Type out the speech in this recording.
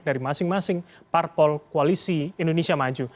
dari masing masing parpol koalisi indonesia maju